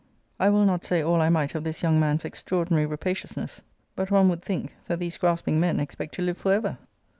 I will not say all I might of this young man's extraordinary rapaciousness: but one would think, that these grasping men expect to live for ever!